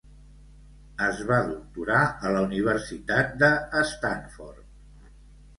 Es va doctorar a la Universitat de Stanford.